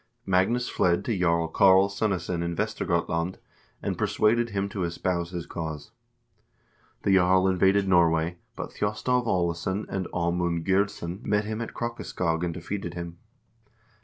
Magnus fled to Jarl Karl Sunnesson in Vestergotland, and persuaded him to espouse his cause. The jarl invaded Norway, but Thjostolv Aalesson and Aamunde Gyrdsson met him at Krokaskog and defeated him.